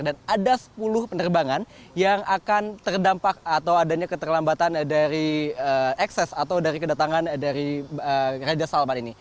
dan ada sepuluh penerbangan yang akan terdampak atau adanya keterlambatan dari ekses atau dari kedatangan dari raja salman ini